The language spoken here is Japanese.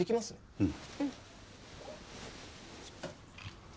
うん。